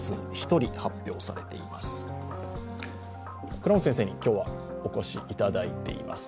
倉持先生に今日はお越しいただいています。